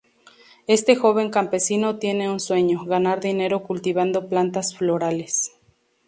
Este joven campesino tiene un sueño: ganar dinero cultivando plantas florales.